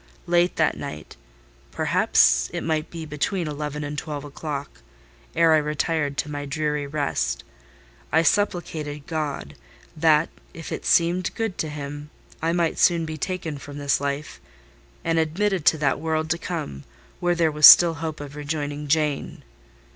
Late that night—perhaps it might be between eleven and twelve o'clock—ere I retired to my dreary rest, I supplicated God, that, if it seemed good to Him, I might soon be taken from this life, and admitted to that world to come, where there was still hope of rejoining Jane.